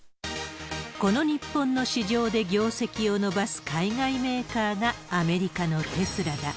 この日本の市場で業績を伸ばす海外メーカーが、アメリカのテスラだ。